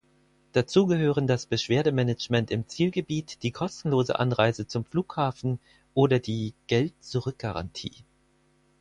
Dazu gehören das Beschwerdemanagement im Zielgebiet, die kostenlose Anreise zum Flughafen oder die „Geld-zurück-Garantie“.